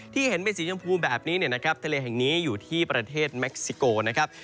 เห็นเป็นสีชมพูแบบนี้เนี่ยนะครับทะเลแห่งนี้อยู่ที่ประเทศเม็กซิโกนะครับ